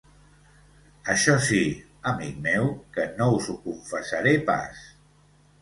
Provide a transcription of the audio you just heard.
Això sí, amic meu, que no us ho confessaré pas.